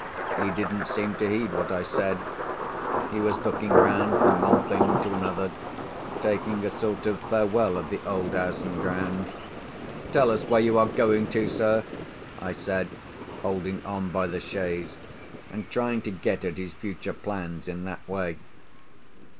He didn't seem to heed what I said—he was looking round from one thing to another, taking a sort of farewell of the old house and grounds. "Tell us where you are going to, sir!" I said, holding on by the chaise, and trying to get at his future plans in that way.